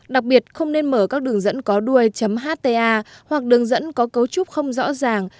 đặc biệt không nên mở các đường dẫn có đuôi hta hoặc đường dẫn có cấu trúc không rõ ràng